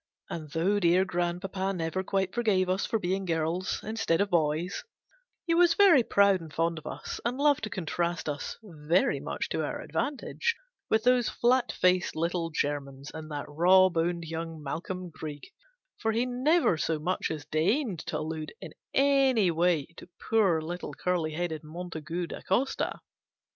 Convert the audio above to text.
And though dear grandpapa never quite forgave us for being girls instead of boys, he was very proud and fond of us, and loved to contrast us (very much to our advantage) with those flat faced little Germans, and that raw boned young Malcolm Greig for he never so much as deigned to allude in any way to poor little curly headed Montague Da Costa.